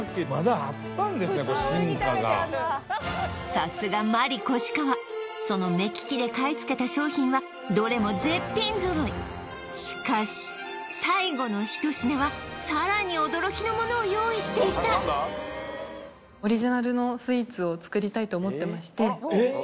さすがマリ・コシカワその目利きで買い付けた商品はどれも絶品揃いしかし最後の一品はさらに驚きのものを用意していた！と思ってましてえっ？